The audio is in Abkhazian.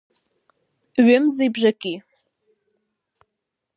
Ҩымзи бжаки!